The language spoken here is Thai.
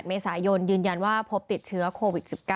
เมษายนยืนยันว่าพบติดเชื้อโควิด๑๙